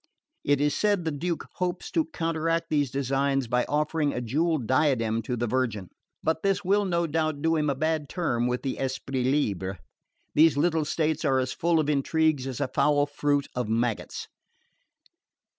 It is said the Duke hopes to counteract these designs by offering a jewelled diadem to the Virgin; but this will no doubt do him a bad turn with the esprits libres. These little states are as full of intrigues as a foul fruit of maggots.